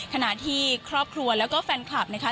ขณะที่ครอบครัวแล้วก็แฟนคลับนะคะ